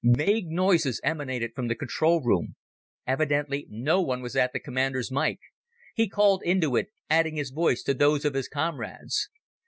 Vague noises emanated from the control room. Evidently no one was at the commander's mike. He called into it, adding his voice to those of his comrades.